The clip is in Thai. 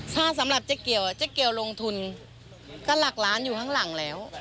ถ้าสำหรับเจ๊เกียวเจ๊เกียวลงทุนก็หลักล้านอยู่ข้างหลังแล้ว